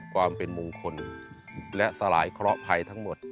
ความเป็นมงคลและสลายเคราะหภัยทั้งหมด